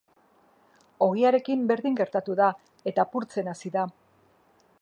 Ogiarekin berdin gertatu da eta apurtzen hasi da.